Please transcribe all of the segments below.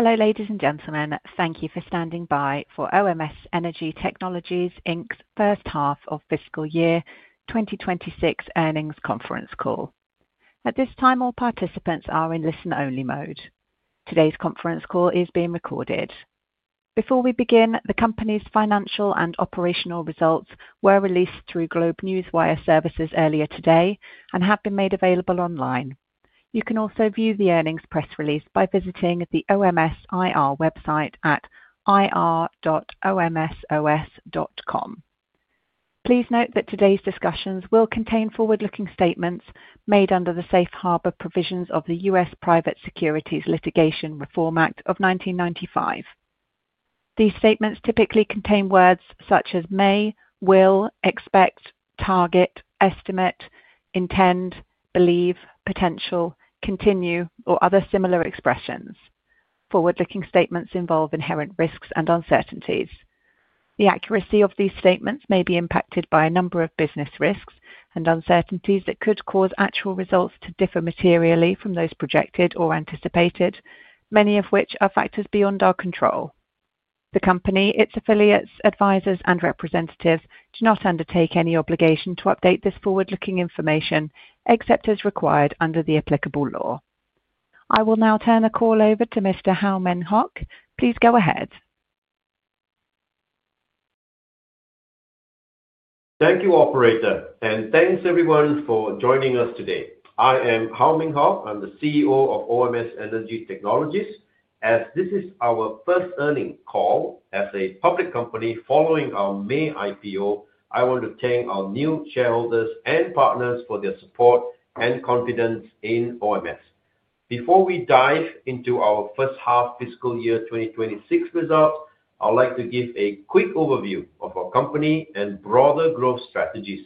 Hello, ladies and gentlemen. Thank you for standing by for OMS Energy Technologies Inc's first half of fiscal year 2026 earnings conference call. At this time, all participants are in listen-only mode. Today's conference call is being recorded. Before we begin, the company's financial and operational results were released through GlobeNewswire Services earlier today and have been made available online. You can also view the earnings press release by visiting the OMS IR website at ir.omsos.com. Please note that today's discussions will contain forward-looking statements made under the safe harbor provisions of the U.S. Private Securities Litigation Reform Act of 1995. These statements typically contain words such as may, will, expect, target, estimate, intend, believe, potential, continue, or other similar expressions. Forward-looking statements involve inherent risks and uncertainties. The accuracy of these statements may be impacted by a number of business risks and uncertainties that could cause actual results to differ materially from those projected or anticipated, many of which are factors beyond our control. The company, its affiliates, advisors, and representatives do not undertake any obligation to update this forward-looking information except as required under the applicable law. I will now turn the call over to Mr. Haw Meng Hock. Please go ahead. Thank you, operator, and thanks everyone for joining us today. I am How Meng Hock. I'm the CEO of OMS Energy Technologies. As this is our first earnings call as a public company following our May IPO, I want to thank our new shareholders and partners for their support and confidence in OMS. Before we dive into our first half fiscal year 2026 results, I'd like to give a quick overview of our company and broader growth strategies.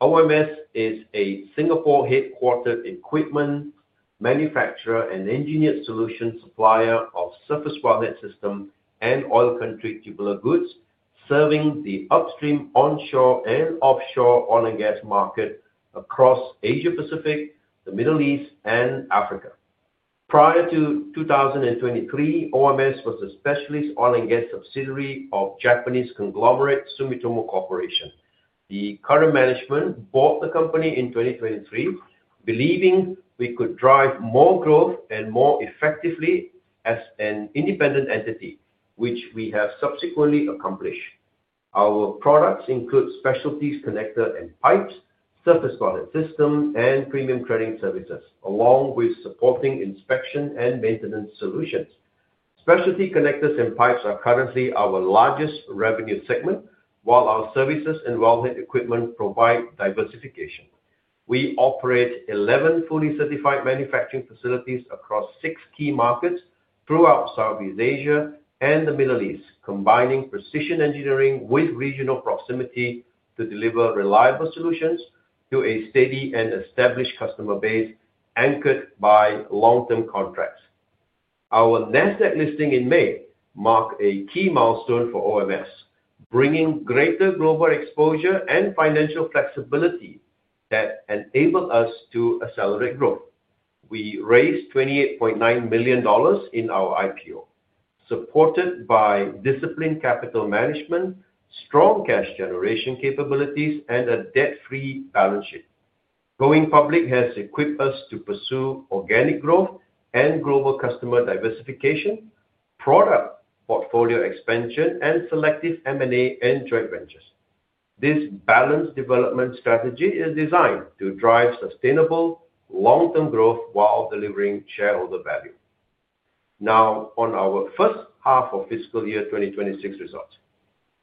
OMS is a Singapore-headquartered equipment manufacturer and engineered solution supplier of surface water systems and oil country tubular goods, serving the upstream, onshore, and offshore oil and gas market across Asia Pacific, the Middle East, and Africa. Prior to 2023, OMS was a specialist oil and gas subsidiary of Japanese conglomerate Sumitomo Corporation. The current management bought the company in 2023, believing we could drive more growth and more effectively as an independent entity, which we have subsequently accomplished. Our products include specialty connectors and pipes, surface water systems, and premium cleaning services, along with supporting inspection and maintenance solutions. Specialty connectors and pipes are currently our largest revenue segment, while our services and welding equipment provide diversification. We operate 11 fully certified manufacturing facilities across six key markets throughout Southeast Asia and the Middle East, combining precision engineering with regional proximity to deliver reliable solutions to a steady and established customer base anchored by long-term contracts. Our NASDAQ listing in May marked a key milestone for OMS, bringing greater global exposure and financial flexibility that enabled us to accelerate growth. We raised $28.9 million in our IPO, supported by disciplined capital management, strong cash generation capabilities, and a debt-free balance sheet. Going public has equipped us to pursue organic growth and global customer diversification, product portfolio expansion, and selective M&A and joint ventures. This balanced development strategy is designed to drive sustainable long-term growth while delivering shareholder value. Now, on our first half of fiscal year 2026 results,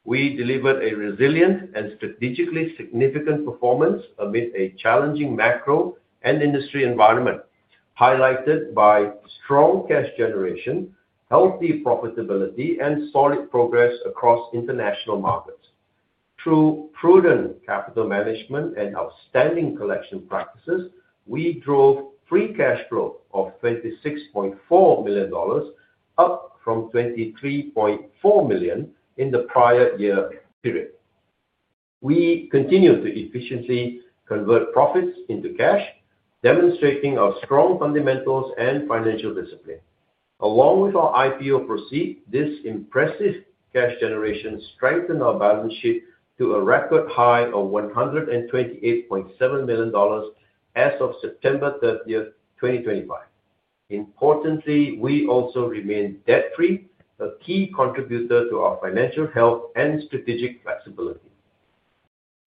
we delivered a resilient and strategically significant performance amid a challenging macro and industry environment, highlighted by strong cash generation, healthy profitability, and solid progress across international markets. Through prudent capital management and outstanding collection practices, we drove free cash flow of $26.4 million, up from $23.4 million in the prior year period. We continue to efficiently convert profits into cash, demonstrating our strong fundamentals and financial discipline. Along with our IPO proceeds, this impressive cash generation strengthened our balance sheet to a record high of $128.7 million as of September 30th, 2025. Importantly, we also remained debt-free, a key contributor to our financial health and strategic flexibility.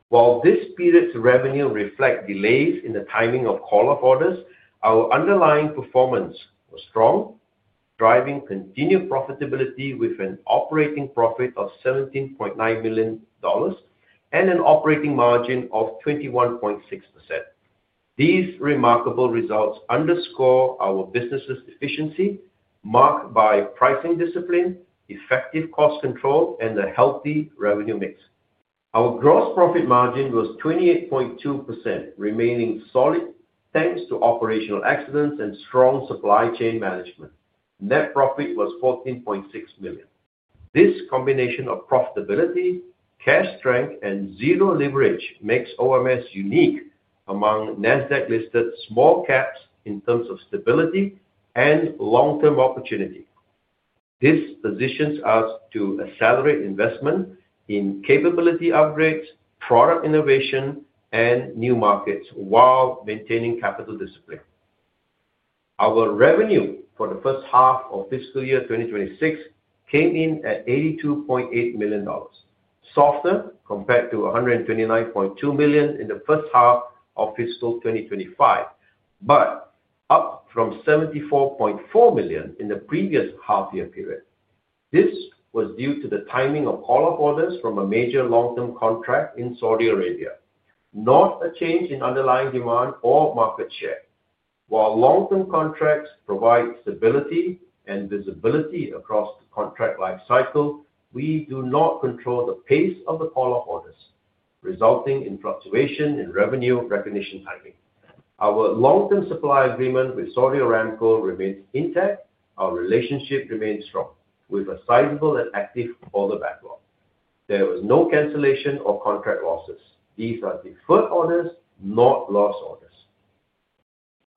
While this period's revenue reflects delays in the timing of call-up orders, our underlying performance was strong, driving continued profitability with an operating profit of $17.9 million and an operating margin of 21.6%. These remarkable results underscore our business's efficiency, marked by pricing discipline, effective cost control, and a healthy revenue mix. Our gross profit margin was 28.2%, remaining solid thanks to operational excellence and strong supply chain management. Net profit was $14.6 million. This combination of profitability, cash strength, and zero leverage makes OMS unique among NASDAQ-listed small caps in terms of stability and long-term opportunity. This positions us to accelerate investment in capability upgrades, product innovation, and new markets while maintaining capital discipline. Our revenue for the first half of fiscal year 2026 came in at $82.8 million, softer compared to $129.2 million in the first half of fiscal 2025, but up from $74.4 million in the previous half-year period. This was due to the timing of call-up orders from a major long-term contract in Saudi Arabia, not a change in underlying demand or market share. While long-term contracts provide stability and visibility across the contract lifecycle, we do not control the pace of the call-up orders, resulting in fluctuation in revenue recognition timing. Our long-term supply agreement with Saudi Aramco remains intact. Our relationship remains strong, with a sizable and active order backlog. There was no cancellation or contract losses. These are deferred orders, not loss orders.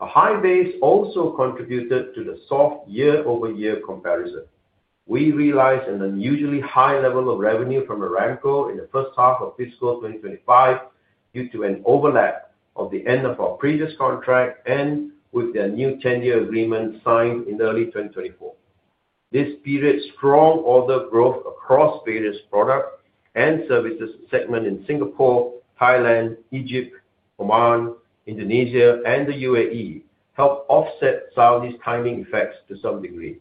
A high base also contributed to the soft year-over-year comparison. We realized an unusually high level of revenue from Aramco in the first half of fiscal 2025 due to an overlap of the end of our previous contract and with their new 10-year agreement signed in early 2024. This period's strong order growth across various product and services segments in Singapore, Thailand, Egypt, Oman, Indonesia, and the U.A.E. helped offset Saudi's timing effects to some degree.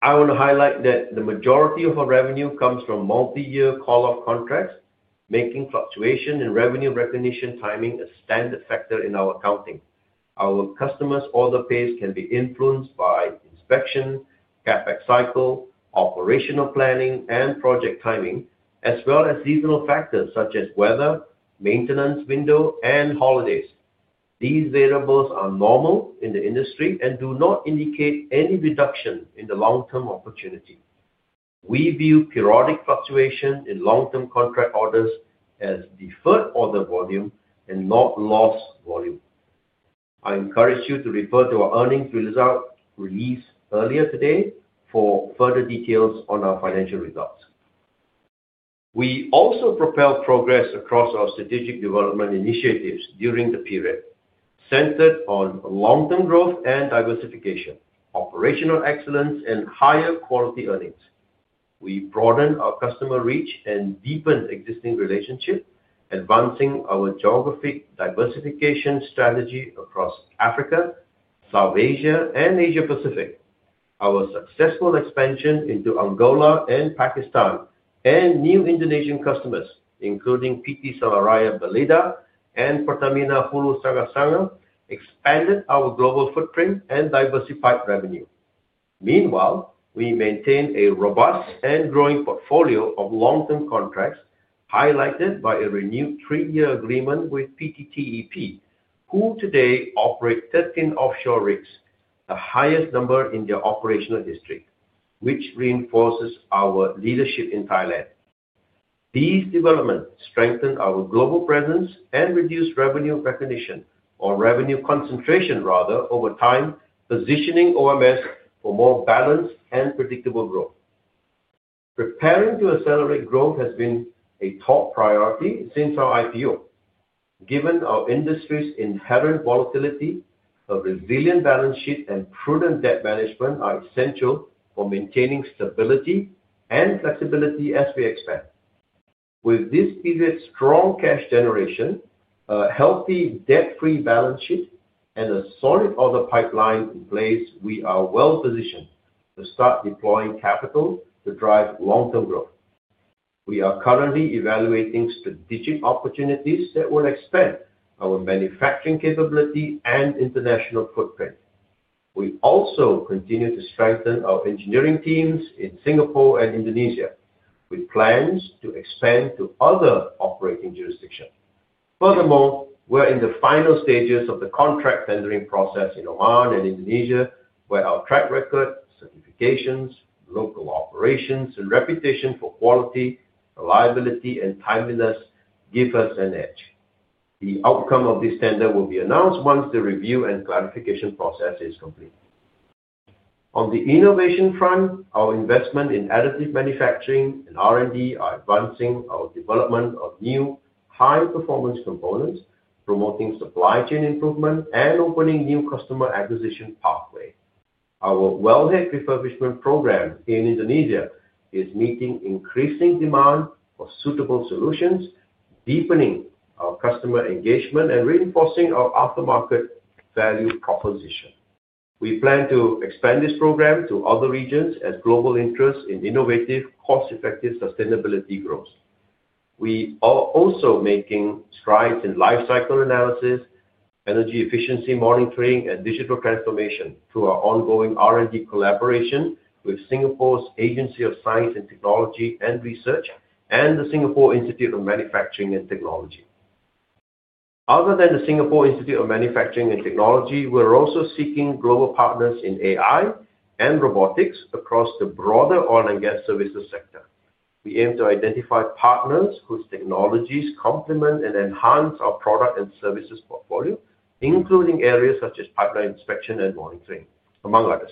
I want to highlight that the majority of our revenue comes from multi-year call-up contracts, making fluctuation in revenue recognition timing a standard factor in our accounting. Our customers' order pace can be influenced by inspection, CapEx cycle, operational planning, and project timing, as well as seasonal factors such as weather, maintenance window, and holidays. These variables are normal in the industry and do not indicate any reduction in the long-term opportunity. We view periodic fluctuation in long-term contract orders as deferred order volume and not loss volume. I encourage you to refer to our earnings release earlier today for further details on our financial results. We also propelled progress across our strategic development initiatives during the period, centered on long-term growth and diversification, operational excellence, and higher quality earnings. We broadened our customer reach and deepened existing relationships, advancing our geographic diversification strategy across Africa, South Asia, and Asia Pacific. Our successful expansion into Angola and Pakistan and new Indonesian customers, including PT Seleraya Belida and Pertamina Hulu Sanga Sanga, expanded our global footprint and diversified revenue. Meanwhile, we maintain a robust and growing portfolio of long-term contracts, highlighted by a renewed three-year agreement with PTTEP, who today operate 13 offshore rigs, the highest number in their operational history, which reinforces our leadership in Thailand. These developments strengthen our global presence and reduce revenue concentration over time, positioning OMS for more balanced and predictable growth. Preparing to accelerate growth has been a top priority since our IPO. Given our industry's inherent volatility, a resilient balance sheet and prudent debt management are essential for maintaining stability and flexibility as we expand. With this period's strong cash generation, a healthy debt-free balance sheet, and a solid order pipeline in place, we are well positioned to start deploying capital to drive long-term growth. We are currently evaluating strategic opportunities that will expand our manufacturing capability and international footprint. We also continue to strengthen our engineering teams in Singapore and Indonesia, with plans to expand to other operating jurisdictions. Furthermore, we're in the final stages of the contract tendering process in Oman and Indonesia, where our track record, certifications, local operations, and reputation for quality, reliability, and timeliness give us an edge. The outcome of this tender will be announced once the review and clarification process is complete. On the innovation front, our investment in additive manufacturing and R&D is advancing our development of new high-performance components, promoting supply chain improvement and opening new customer acquisition pathways. Our welding refurbishment program in Indonesia is meeting increasing demand for suitable solutions, deepening our customer engagement, and reinforcing our aftermarket value proposition. We plan to expand this program to other regions as global interests in innovative, cost-effective sustainability grows. We are also making strides in lifecycle analysis, energy efficiency monitoring, and digital transformation through our ongoing R&D collaboration with Singapore's Agency for Science, Technology and Research and the Singapore Institute of Manufacturing Technology. Other than the Singapore Institute of Manufacturing Technology, we're also seeking global partners in AI and robotics across the broader oil and gas services sector. We aim to identify partners whose technologies complement and enhance our product and services portfolio, including areas such as pipeline inspection and monitoring, among others.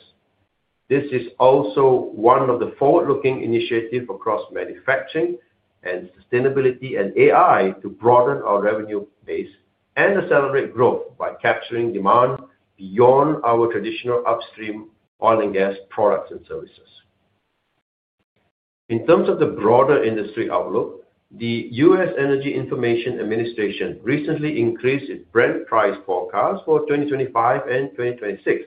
This is also one of the forward-looking initiatives across manufacturing and sustainability and AI to broaden our revenue base and accelerate growth by capturing demand beyond our traditional upstream oil and gas products and services. In terms of the broader industry outlook, the U.S. Energy Information Administration recently increased its Brent price forecast for 2025 and 2026,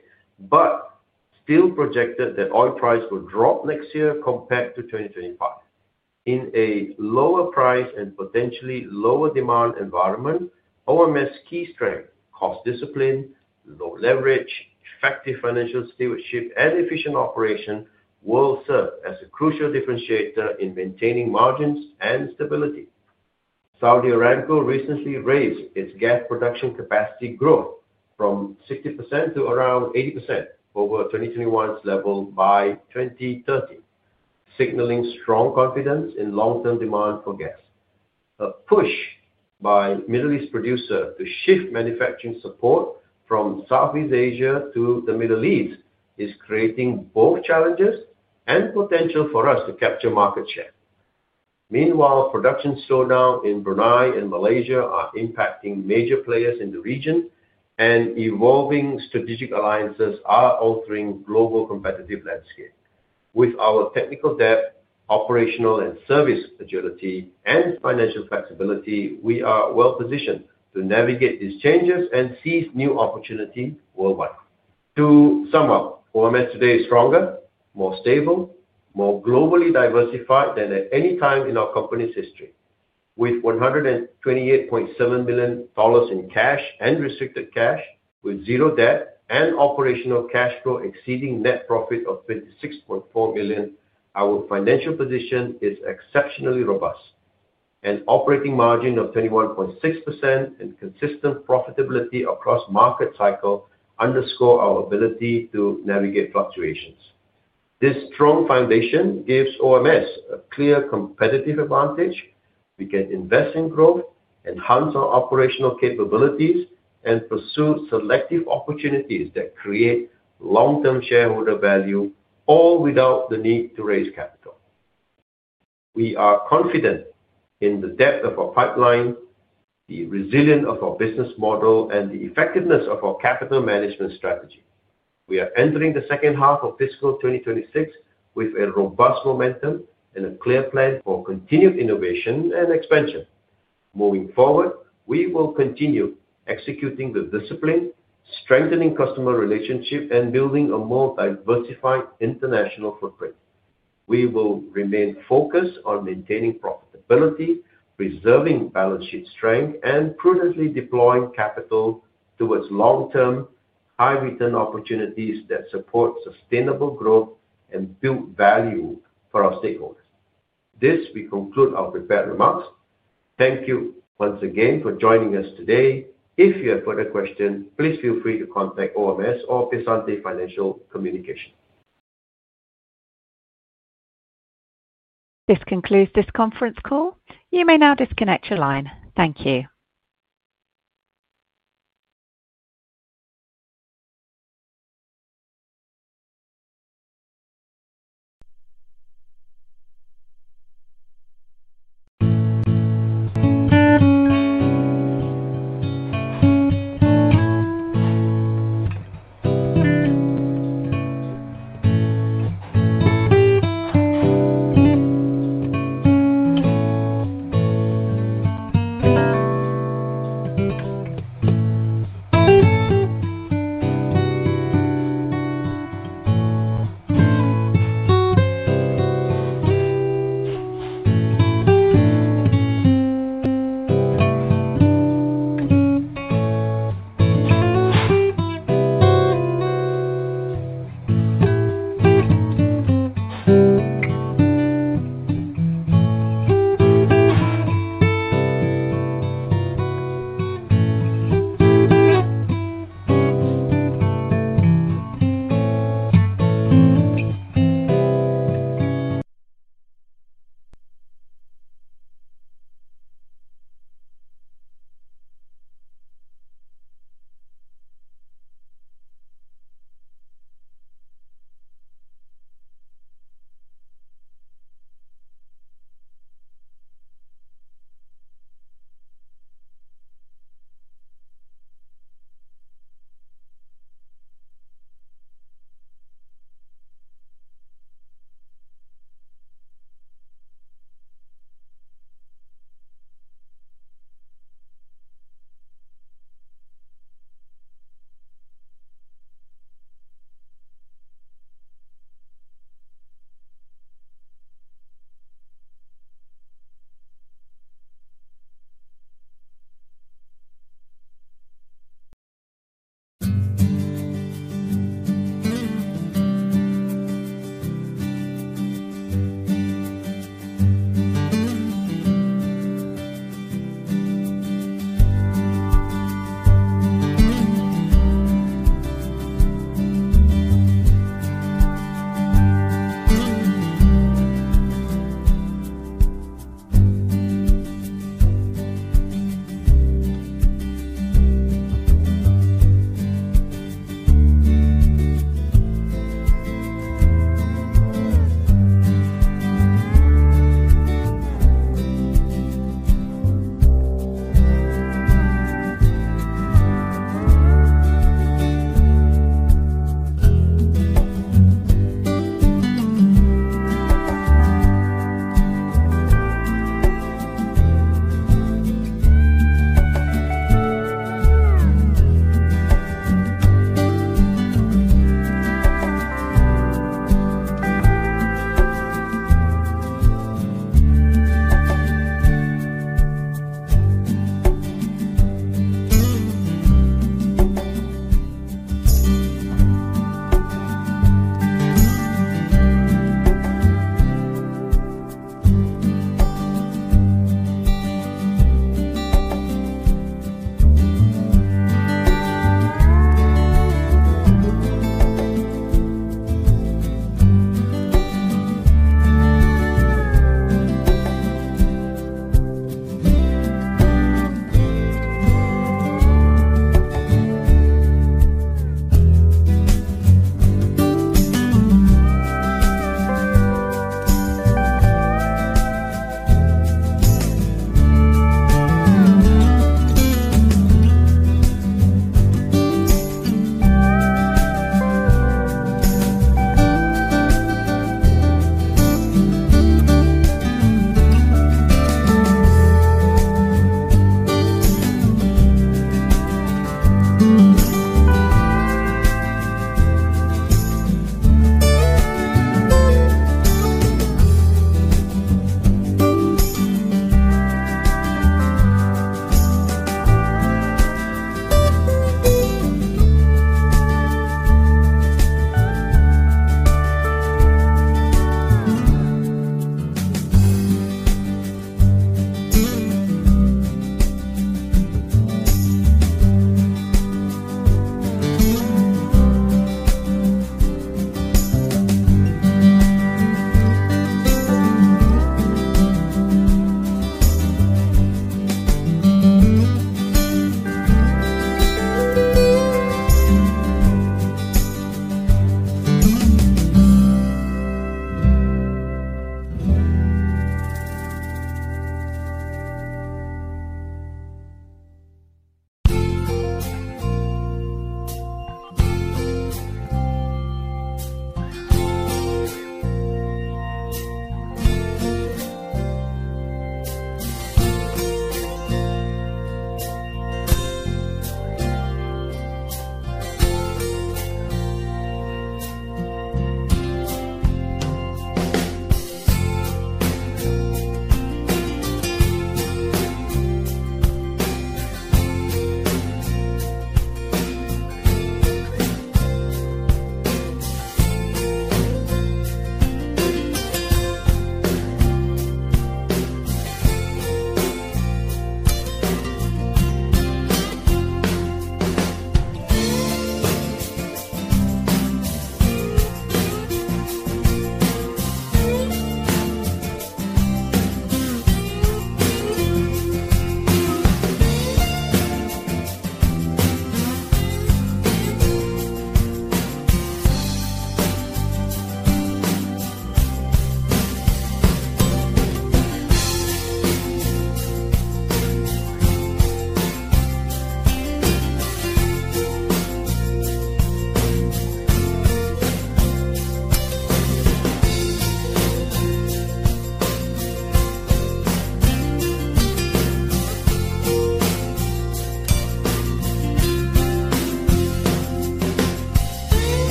but still projected that oil prices will drop next year compared to 2025. In a lower price and potentially lower demand environment, OMS key strengths—cost discipline, low leverage, effective financial stewardship, and efficient operation—will serve as a crucial differentiator in maintaining margins and stability. Saudi Aramco recently raised its gas production capacity growth from 60% to around 80% over 2021's level by 2030, signaling strong confidence in long-term demand for gas. A push by the Middle East producer to shift manufacturing support from Southeast Asia to the Middle East is creating both challenges and potential for us to capture market share. Meanwhile, production slowdowns in Brunei and Malaysia are impacting major players in the region, and evolving strategic alliances are altering the global competitive landscape. With our technical depth, operational and service agility, and financial flexibility, we are well positioned to navigate these changes and seize new opportunities worldwide. To sum up, OMS today is stronger, more stable, and more globally diversified than at any time in our company's history. With $128.7 million in cash and restricted cash, with zero debt and operational cash flow exceeding net profit of $26.4 million, our financial position is exceptionally robust. An operating margin of 21.6% and consistent profitability across market cycles underscore our ability to navigate fluctuations. This strong foundation gives OMS a clear competitive advantage. We can invest in growth, enhance our operational capabilities, and pursue selective opportunities that create long-term shareholder value, all without the need to raise capital. We are confident in the depth of our pipeline, the resilience of our business model, and the effectiveness of our capital management strategy. We are entering the second half of fiscal 2026 with a robust momentum and a clear plan for continued innovation and expansion. Moving forward, we will continue executing with discipline, strengthening customer relationships, and building a more diversified international footprint. We will remain focused on maintaining profitability, preserving balance sheet strength, and prudently deploying capital towards long-term, high-return opportunities that support sustainable growth and build value for our stakeholders. This concludes our prepared remarks. Thank you once again for joining us today. If you have further questions, please feel free to contact OMS or Piacente Financial Communications. This concludes this conference call. You may now disconnect your line. Thank you.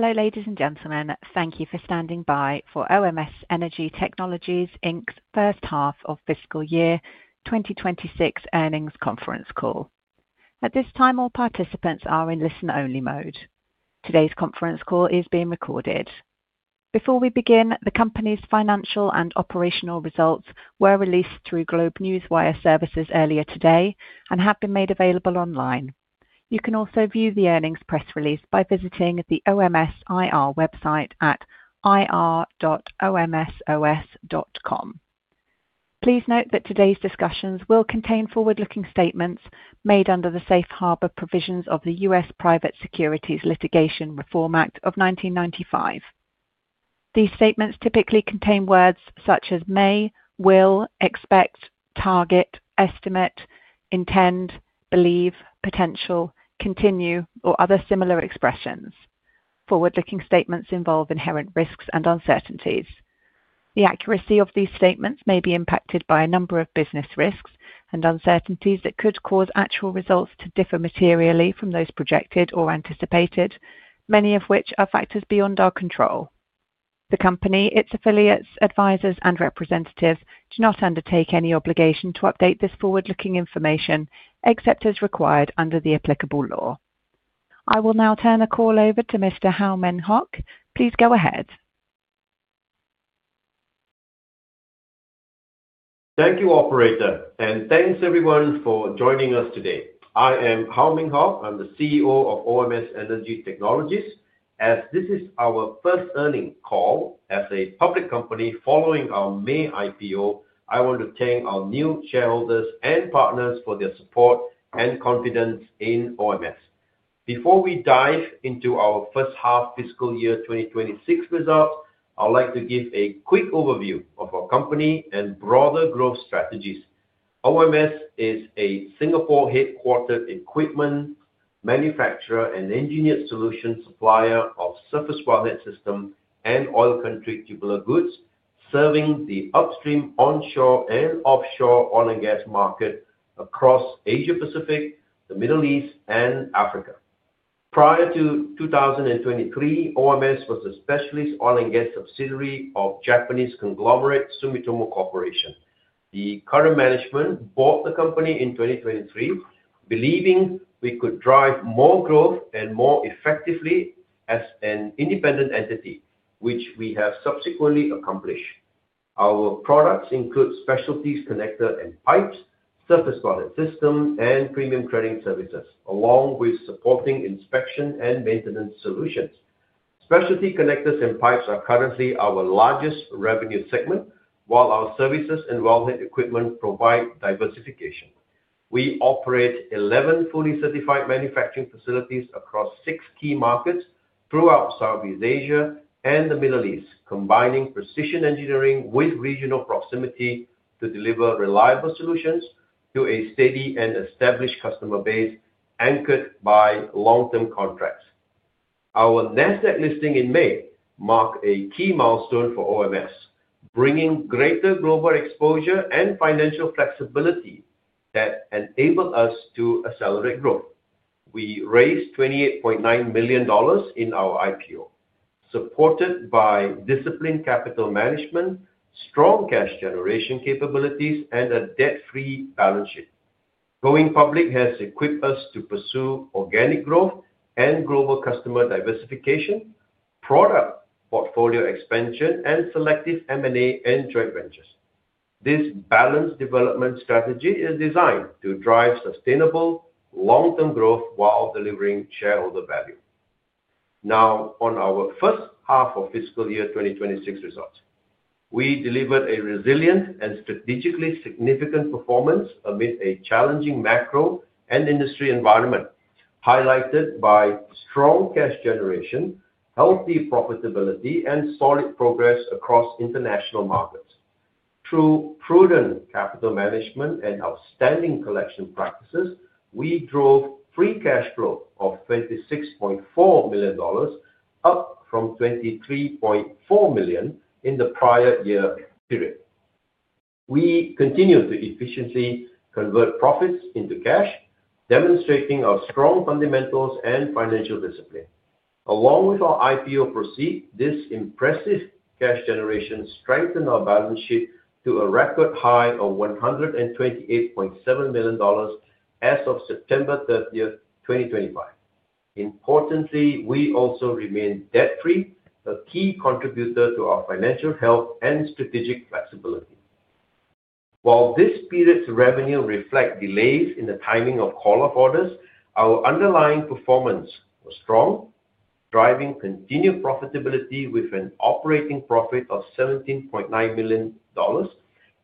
Hello, ladies and gentlemen. Thank you for standing by for OMS Energy Technologies Inc's first half of fiscal year 2026 earnings conference call. At this time, all participants are in listen-only mode. Today's conference call is being recorded. Before we begin, the company's financial and operational results were released through GlobeNewswire Services earlier today and have been made available online. You can also view the earnings press release by visiting the OMS IR website at ir.omsos.com. Please note that today's discussions will contain forward-looking statements made under the Safe Harbor Provisions of the U.S. Private Securities Litigation Reform Act of 1995. These statements typically contain words such as may, will, expect, target, estimate, intend, believe, potential, continue, or other similar expressions. Forward-looking statements involve inherent risks and uncertainties. The accuracy of these statements may be impacted by a number of business risks and uncertainties that could cause actual results to differ materially from those projected or anticipated, many of which are factors beyond our control. The company, its affiliates, advisors, and representatives do not undertake any obligation to update this forward-looking information except as required under the applicable law. I will now turn the call over to Mr. How Meng Hock. Please go ahead. Thank you, operator, and thanks everyone for joining us today. I am How Meng Hock. I'm the CEO of OMS Energy Technologies. As this is our first earnings call as a public company following our May IPO, I want to thank our new shareholders and partners for their support and confidence in OMS. Before we dive into our first half fiscal year 2026 results, I'd like to give a quick overview of our company and broader growth strategies. OMS is a Singapore-headquartered equipment manufacturer and engineered solution supplier of surface wellhead systems and oil country tubular goods, serving the upstream, onshore, and offshore oil and gas market across Asia Pacific, the Middle East, and Africa. Prior to 2023, OMS was a specialist oil and gas subsidiary of Japanese conglomerate Sumitomo Corporation. The current management bought the company in 2023, believing we could drive more growth and more effectively as an independent entity, which we have subsequently accomplished. Our products include specialty connectors and pipes, surface wellhead systems, and premium threading services, along with supporting inspection and maintenance solutions. Specialty connectors and pipes are currently our largest revenue segment, while our services and wellhead equipment provide diversification. We operate 11 fully certified manufacturing facilities across six key markets throughout Southeast Asia and the Middle East, combining precision engineering with regional proximity to deliver reliable solutions to a steady and established customer base anchored by long-term contracts. Our NASDAQ listing in May marked a key milestone for OMS, bringing greater global exposure and financial flexibility that enabled us to accelerate growth. We raised $28.9 million in our IPO, supported by disciplined capital management, strong cash generation capabilities, and a debt-free balance sheet. Going public has equipped us to pursue organic growth and global customer diversification, product portfolio expansion, and selective M&A and joint ventures. This balanced development strategy is designed to drive sustainable long-term growth while delivering shareholder value. Now, on our first half of fiscal year 2026 results, we delivered a resilient and strategically significant performance amid a challenging macro and industry environment, highlighted by strong cash generation, healthy profitability, and solid progress across international markets. Through prudent capital management and outstanding collection practices, we drove free cash flow of $26.4 million, up from $23.4 million in the prior year period. We continue to efficiently convert profits into cash, demonstrating our strong fundamentals and financial discipline. Along with our IPO proceeds, this impressive cash generation strengthened our balance sheet to a record high of $128.7 million as of September 30th, 2025. Importantly, we also remain debt-free, a key contributor to our financial health and strategic flexibility. While this period's revenue reflects delays in the timing of call-up orders, our underlying performance was strong, driving continued profitability with an operating profit of $17.9 million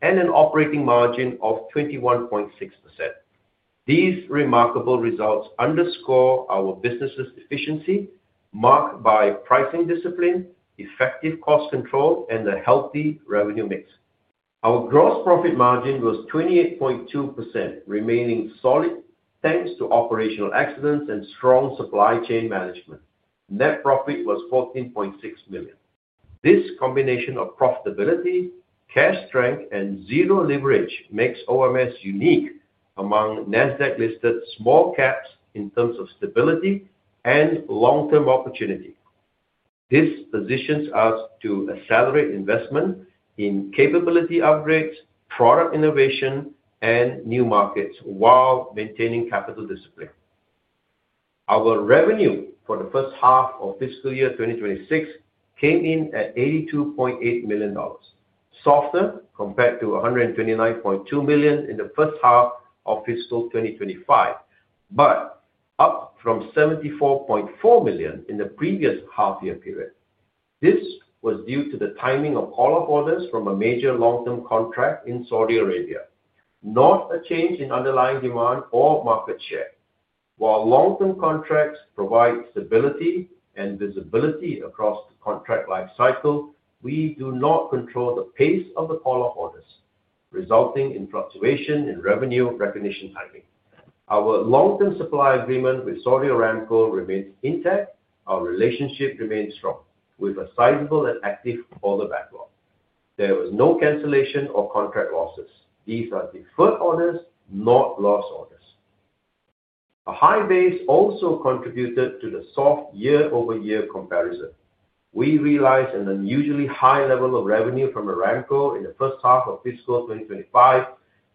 and an operating margin of 21.6%. These remarkable results underscore our business's efficiency, marked by pricing discipline, effective cost control, and a healthy revenue mix. Our gross profit margin was 28.2%, remaining solid thanks to operational excellence and strong supply chain management. Net profit was $14.6 million. This combination of profitability, cash strength, and zero leverage makes OMS unique among NASDAQ-listed small caps in terms of stability and long-term opportunity. This positions us to accelerate investment in capability upgrades, product innovation, and new markets while maintaining capital discipline. Our revenue for the first half of fiscal year 2026 came in at $82.8 million, softer compared to $129.2 million in the first half of fiscal 2025, but up from $74.4 million in the previous half-year period. This was due to the timing of call-up orders from a major long-term contract in Saudi Arabia, not a change in underlying demand or market share. While long-term contracts provide stability and visibility across the contract lifecycle, we do not control the pace of the call-up orders, resulting in fluctuation in revenue recognition timing. Our long-term supply agreement with Saudi Aramco remains intact. Our relationship remains strong, with a sizable and active order backlog. There was no cancellation or contract losses. These are deferred orders, not loss orders. A high base also contributed to the soft year-over-year comparison. We realized an unusually high level of revenue from Aramco in the first half of fiscal 2025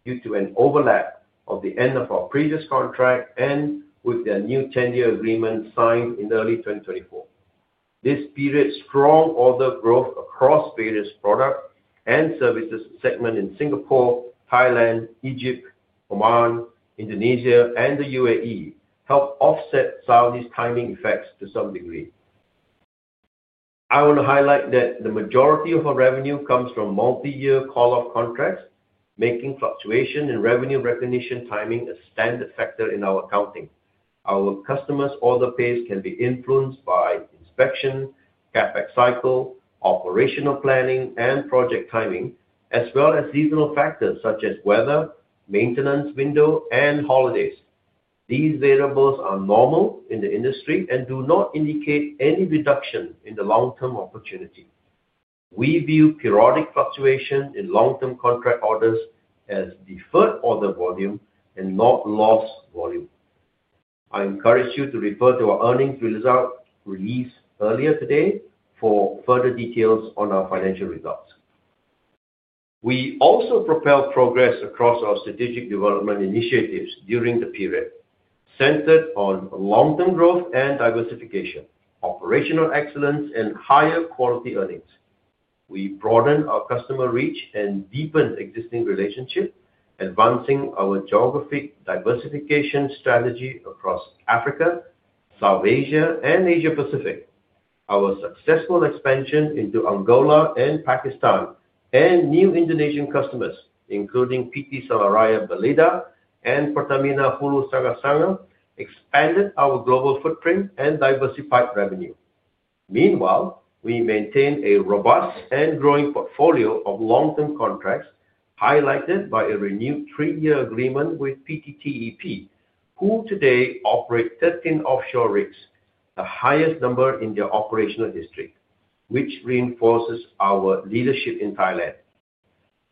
due to an overlap of the end of our previous contract and with their new 10-year agreement signed in early 2024. This period's strong order growth across various product and services segments in Singapore, Thailand, Egypt, Oman, Indonesia, and the U.A.E. helped offset Saudi's timing effects to some degree. I want to highlight that the majority of our revenue comes from multi-year call-up contracts, making fluctuation in revenue recognition timing a standard factor in our accounting. Our customers' order pace can be influenced by inspection, CapEx cycle, operational planning, and project timing, as well as seasonal factors such as weather, maintenance window, and holidays. These variables are normal in the industry and do not indicate any reduction in the long-term opportunity. We view periodic fluctuation in long-term contract orders as deferred order volume and not loss volume. I encourage you to refer to our earnings result release earlier today for further details on our financial results. We also propelled progress across our strategic development initiatives during the period, centered on long-term growth and diversification, operational excellence, and higher quality earnings. We broadened our customer reach and deepened existing relationships, advancing our geographic diversification strategy across Africa, South Asia, and Asia Pacific. Our successful expansion into Angola and Pakistan and new Indonesian customers, including PT Seleraya Belida and Pertamina Hulu Sanga Sanga, expanded our global footprint and diversified revenue. Meanwhile, we maintain a robust and growing portfolio of long-term contracts, highlighted by a renewed three-year agreement with PTTEP, who today operate 13 offshore rigs, the highest number in their operational history, which reinforces our leadership in Thailand.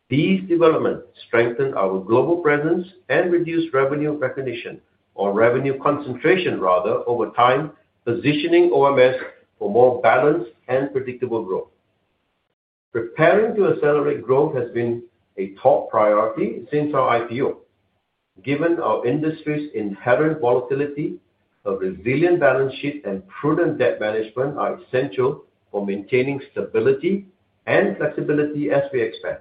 These developments strengthen our global presence and reduce revenue concentration over time, positioning OMS for more balanced and predictable growth. Preparing to accelerate growth has been a top priority since our IPO. Given our industry's inherent volatility, a resilient balance sheet and prudent debt management are essential for maintaining stability and flexibility as we expand.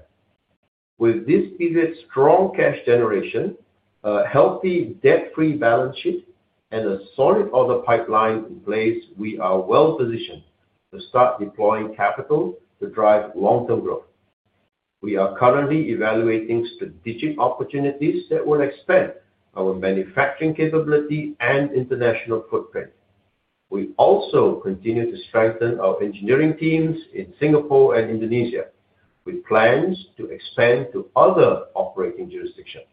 With this period's strong cash generation, a healthy debt-free balance sheet, and a solid order pipeline in place, we are well positioned to start deploying capital to drive long-term growth. We are currently evaluating strategic opportunities that will expand our manufacturing capability and international footprint. We also continue to strengthen our engineering teams in Singapore and Indonesia, with plans to expand to other operating jurisdictions.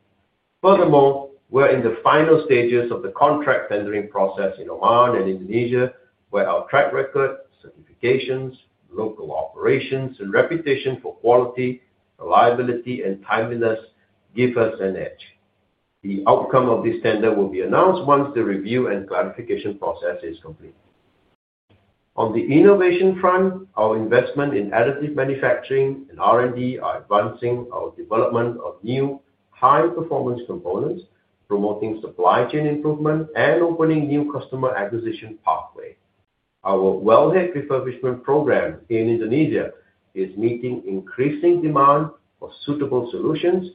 Furthermore, we're in the final stages of the contract tendering process in Oman and Indonesia, where our track record, certifications, local operations, and reputation for quality, reliability, and timeliness give us an edge. The outcome of this tender will be announced once the review and clarification process is complete. On the innovation front, our investment in additive manufacturing and R&D are advancing our development of new high-performance components, promoting supply chain improvement and opening new customer acquisition pathways. Our wellhead refurbishment program in Indonesia is meeting increasing demand for suitable solutions,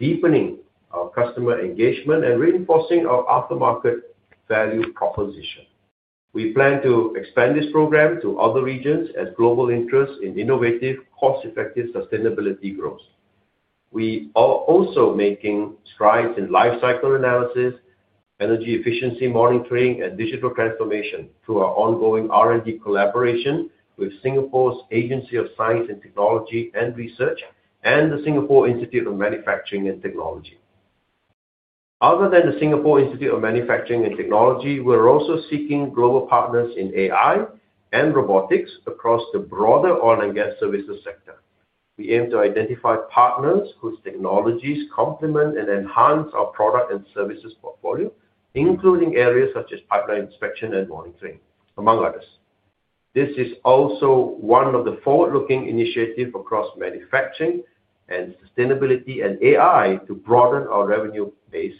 deepening our customer engagement, and reinforcing our aftermarket value proposition. We plan to expand this program to other regions as global interests in innovative, cost-effective sustainability grows. We are also making strides in lifecycle analysis, energy efficiency monitoring, and digital transformation through our ongoing R&D collaboration with Singapore's Agency for Science, Technology and Research and the Singapore Institute of Manufacturing Technology. Other than the Singapore Institute of Manufacturing Technology, we're also seeking global partners in AI and robotics across the broader oil and gas services sector. We aim to identify partners whose technologies complement and enhance our product and services portfolio, including areas such as pipeline inspection and monitoring, among others. This is also one of the forward-looking initiatives across manufacturing and sustainability and AI to broaden our revenue base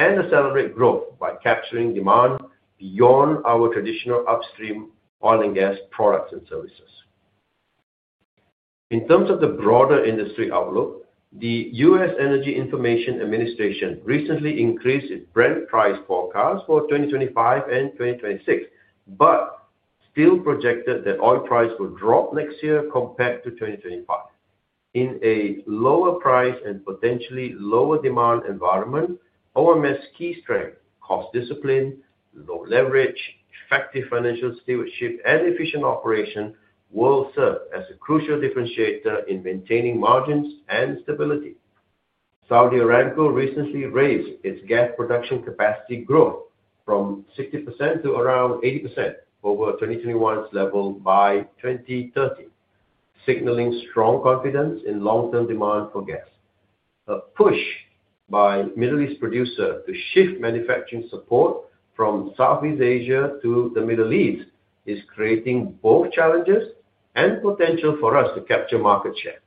and accelerate growth by capturing demand beyond our traditional upstream oil and gas products and services. In terms of the broader industry outlook, the U.S. Energy Information Administration recently increased its Brent Price forecast for 2025 and 2026, but still projected that oil price would drop next year compared to 2025. In a lower price and potentially lower demand environment, OMS key strengths—cost discipline, low leverage, effective financial stewardship, and efficient operation—will serve as a crucial differentiator in maintaining margins and stability. Saudi Aramco recently raised its gas production capacity growth from 60% to around 80% over 2021's level by 2030, signaling strong confidence in long-term demand for gas. A push by Middle East producers to shift manufacturing support from Southeast Asia to the Middle East is creating both challenges and potential for us to capture market share.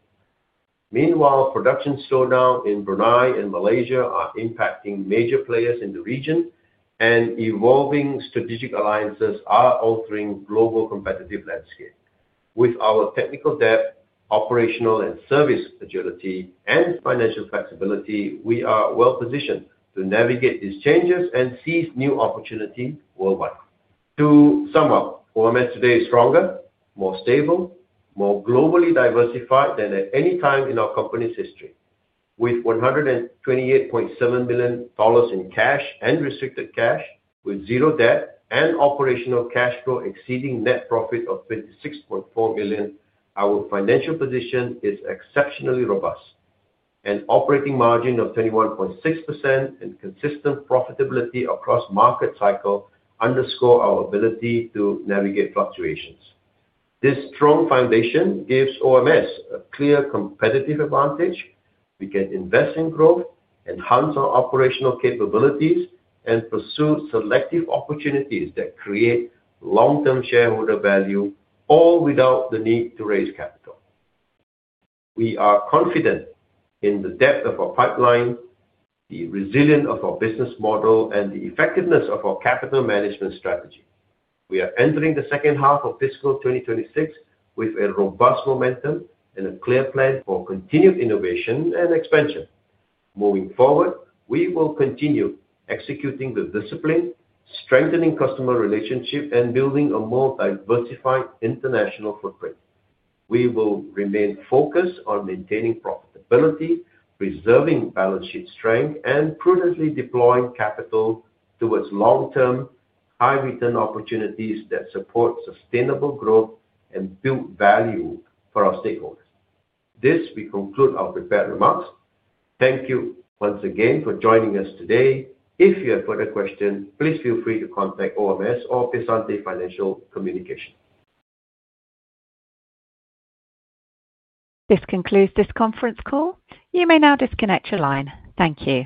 Meanwhile, production slowdowns in Brunei and Malaysia are impacting major players in the region, and evolving strategic alliances are altering the global competitive landscape. With our technical depth, operational and service agility, and financial flexibility, we are well positioned to navigate these changes and seize new opportunities worldwide. To sum up, OMS today is stronger, more stable, and more globally diversified than at any time in our company's history. With $128.7 million in cash and restricted cash, with zero debt and operational cash flow exceeding net profit of $26.4 million, our financial position is exceptionally robust. An operating margin of 21.6% and consistent profitability across market cycles underscore our ability to navigate fluctuations. This strong foundation gives OMS a clear competitive advantage. We can invest in growth, enhance our operational capabilities, and pursue selective opportunities that create long-term shareholder value, all without the need to raise capital. We are confident in the depth of our pipeline, the resilience of our business model, and the effectiveness of our capital management strategy. We are entering the second half of fiscal 2026 with a robust momentum and a clear plan for continued innovation and expansion. Moving forward, we will continue executing with discipline, strengthening customer relationships, and building a more diversified international footprint. We will remain focused on maintaining profitability, preserving balance sheet strength, and prudently deploying capital towards long-term, high-return opportunities that support sustainable growth and build value for our stakeholders. This concludes our prepared remarks. Thank you once again for joining us today. If you have further questions, please feel free to contact OMS or Piacente Financial Communications. This concludes this conference call. You may now disconnect your line. Thank you.